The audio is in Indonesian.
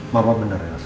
mama bener ya elsa